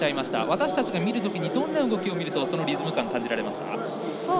私たちが見るときにどんな動きを見るとそのリズム感を感じられますか。